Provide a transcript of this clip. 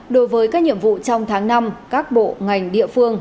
đối với các nhiệm vụ trong tháng năm các bộ ngành địa phương